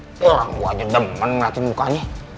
orang orang aja demen ngeliatin mukanya